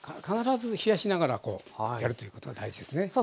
必ず冷やしながらやるということが大事ですね。